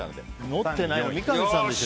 持ってないのは三上さんでしょ